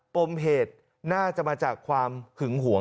ปมเหตุน่าจะมาจากความหึงหวง